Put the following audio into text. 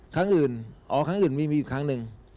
ครั้งอื่นอ๋อครั้งอื่นมีมีอยู่ครั้งหนึ่ง